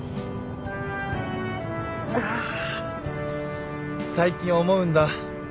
あ最近思うんだ。